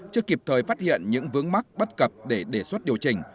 chưa kịp thời phát hiện những vướng mắt bất cập để đề xuất điều trình